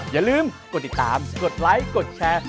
อย่าลืมกดติดตามกดไลค์กดแชร์